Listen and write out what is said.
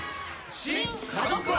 新家族割。